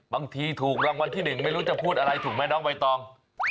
ถูกรางวัลที่๑ไม่รู้จะพูดอะไรถูกไหมน้องใบตอง